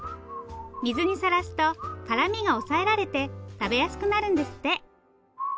水にさらすと辛みが抑えられて食べやすくなるんですって。